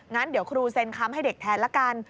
งั้นเดี๋ยวครูเซ็นคำให้เด็กแทนละกัน